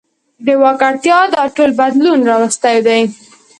د واک اړتیا دا ټول بدلون راوستی دی.